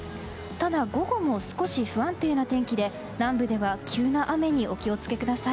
ただ、午後も少し不安定な天気で南部では急な雨にお気を付けください。